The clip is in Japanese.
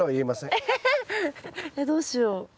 えっどうしよう。